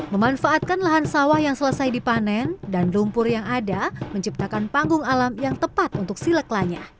memanfaatkan lahan sawah yang selesai dipanen dan lumpur yang ada menciptakan panggung alam yang tepat untuk silek lanya